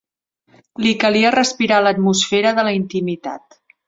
Li calia respirar l'atmosfera de la intimitat.